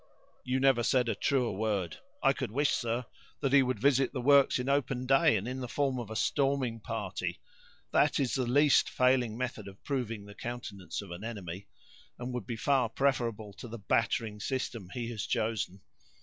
"You never said truer word. I could wish, sir, that he would visit the works in open day, and in the form of a storming party; that is the least failing method of proving the countenance of an enemy, and would be far preferable to the battering system he has chosen.